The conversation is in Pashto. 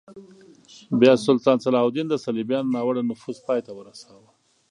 بیا سلطان صلاح الدین د صلیبیانو ناوړه نفوذ پای ته ورساوه.